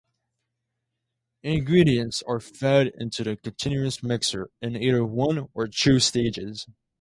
Ingredients are fed into the continuous mixer in either one or two stages.